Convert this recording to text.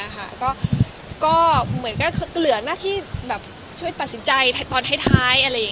เหลือหน้าที่ช่วยตัดสินใจตอนท้าย